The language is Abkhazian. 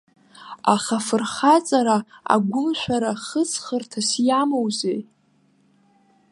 Аха афырхаҵара, агәымшәара хыҵхырҭас иамоузеи?